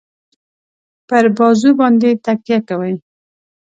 پر بازو باندي تکیه کوي.